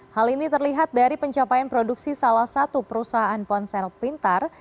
hal ini terlihat dari pencapaian produksi salah satu perusahaan ponsel pintar